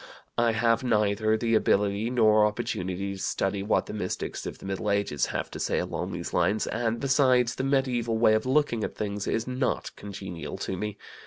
I have neither the ability nor opportunity to study what the mystics of the Middle Ages have to say along these lines, and, besides, the medieval way of looking at things is not congenial to me.